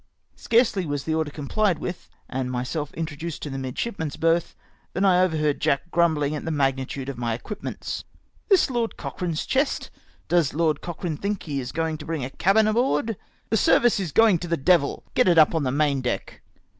Scarcely was the order comphed with, and myself introduced to the midship man's berth, than I overheard Jack grumbling at the magnitude of my equipments. " This Lord Cochrane's chest ? Does Lord Cochrane tliink he is going to bring a cabin aboard? The service is going to the devil! Get it up on the main deck."